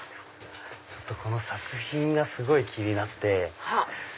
この作品がすごい気になって。